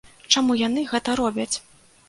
Чаму яны гэта робяць?